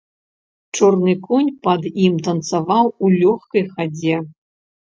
Чорны конь пад ім танцаваў у лёгкай хадзе.